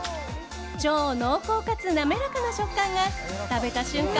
超濃厚かつ滑らかな食感が食べた瞬間